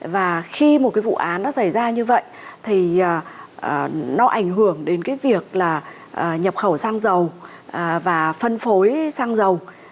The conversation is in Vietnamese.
và khi một cái vụ án nó xảy ra như vậy thì nó ảnh hưởng đến cái việc là nhập khẩu sang giàu và phân phối sang giàu